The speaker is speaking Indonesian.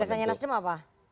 gagasannya nasdem apa